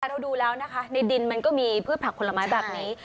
แต่เราดูแล้วนะคะในดินมันก็มีพืชผักผลไม้แบบนี้